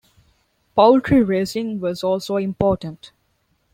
Poultry raising was also important.